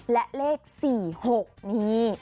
และเลข๔๖นี่